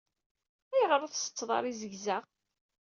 Ayɣeṛ ur tsetttteḍ ara izegza?